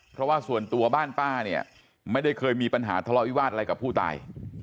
เพราะว่าส่วนตัวบ้านป้าเนี่ยไม่ได้เคยมีปัญหาทะเลาะวิวาสอะไรกับผู้ตาย